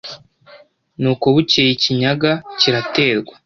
Nuko bukeye i Kinyaga kiraterwa;